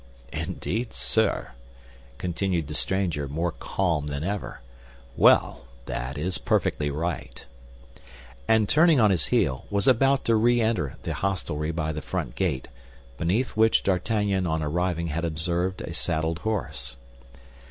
"Indeed, sir," continued the stranger, more calm than ever; "well, that is perfectly right!" and turning on his heel, was about to re enter the hostelry by the front gate, beneath which D'Artagnan on arriving had observed a saddled horse.